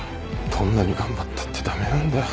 どんなに頑張ったって駄目なんだよ。